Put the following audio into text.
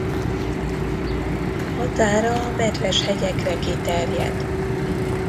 Határa a Medves hegyekre kiterjed.